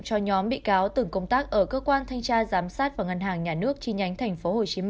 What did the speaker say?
cho nhóm bị cáo từng công tác ở cơ quan thanh tra giám sát và ngân hàng nhà nước chi nhánh tp hcm